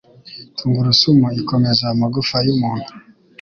Tungurusumu ikomeza amagufa y'umuntu